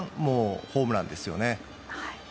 ホームランですよね。